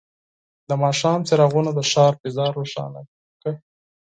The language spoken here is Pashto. د ماښام څراغونه د ښار فضا روښانه کړه.